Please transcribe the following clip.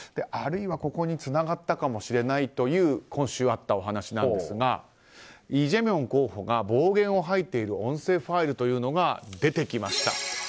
あるいはここにつながったかもしれないという今週あった話なんですがイ・ジェミョン候補が暴言を吐いている音声ファイルが出てきました。